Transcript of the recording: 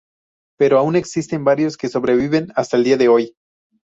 Pero aún existen varios que sobreviven hasta el día de hoy.